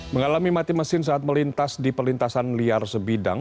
mengalami mati mesin saat melintas di perlintasan liar sebidang